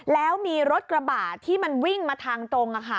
แล้วมีรถกระบะที่มันวิ่งมาทางตรง